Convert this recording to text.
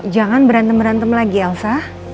jangan berantem berantem lagi elsa